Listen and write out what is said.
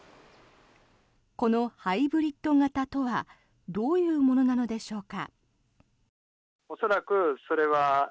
このハイブリッド型とはどういうものなのでしょうか。